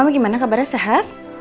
mama gimana kabarnya sehat